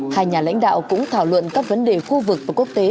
hai nhà lãnh đạo cũng thảo luận các vấn đề khu vực và quốc tế